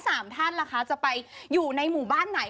แล้วทั้ง๓ท่านจะไปอยู่ในหมู่บ้านไหน